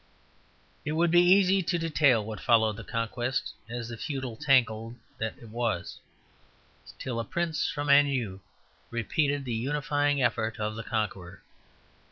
It would be easy to detail what followed the Conquest as the feudal tangle that it was, till a prince from Anjou repeated the unifying effort of the Conqueror.